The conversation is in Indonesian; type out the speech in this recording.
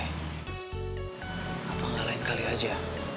apa gak lain kali aja